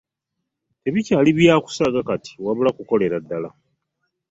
Tebikyali bya kusaaga kati wabula kukolera ddala.